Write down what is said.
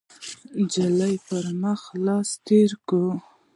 ، نجلۍ پر مخ لاس تېر کړ،